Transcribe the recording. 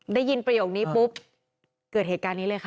ได้ยินประโยคนี้ปุ๊บเกิดเหตุการณ์นี้เลยค่ะ